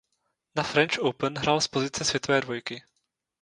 Na French Open hrál z pozice světové dvojky.